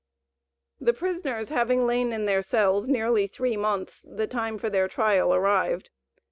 The prisoners having lain in their cells nearly three months, the time for their trial arrived.